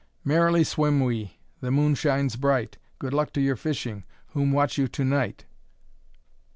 Merrily swim we, the moon shines bright! Good luck to your fishing, whom watch you to night?"